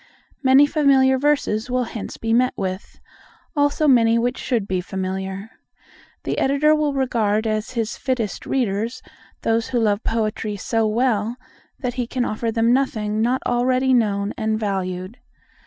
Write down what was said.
Many familiar verses will hence be met with; many also which should be familiar. The Editor will regard as his fittest readers those who love poetry so well, that he can offer them nothing not already known and valued.